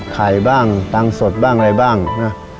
ไข่บ้างตังค์สดบ้างอะไรบ้างนะ